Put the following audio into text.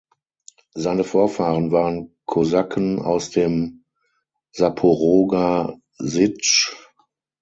Seine Vorfahren waren Kosaken aus dem Saporoger Sitsch.